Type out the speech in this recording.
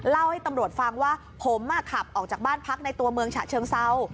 เล่าให้ตำรวจฟังว่าผมขับออกจากบ้านพักในตัวเมืองฉะเชิงเซา